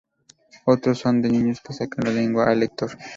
Otros son de niños que sacan la lengua al lector.